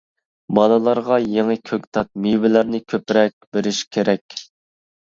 بالىلارغا يېڭى كۆكتات، مېۋىلەرنى كۆپرەك بېرىش كېرەك.